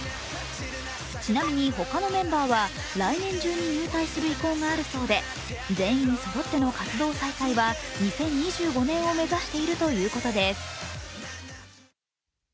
ちなみに、他のメンバーは来年中に入隊する意向があるそうで全員そろっての活動再開は２０２５年を目指しているということです。